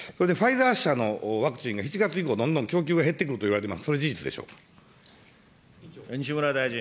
ファイザー社のワクチンが７月以降、どんどん供給が減ってくるといわれています。